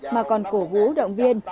mà còn cổ vũ động viên